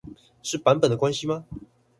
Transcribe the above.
是版本的關係嗎？